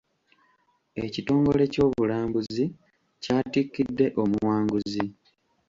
Ekitongole ky'obulambuzi kyatikidde omuwanguzi.